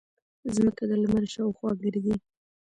ځمکه د لمر شاوخوا ګرځي